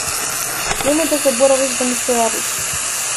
Немој да заборавиш да ми се јавиш.